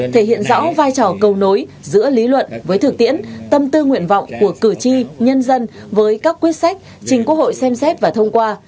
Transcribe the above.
thể hiện rõ vai trò cầu nối giữa lý luận với thực tiễn tâm tư nguyện vọng của cử tri nhân dân với các quyết sách chính quốc hội xem xét và thông qua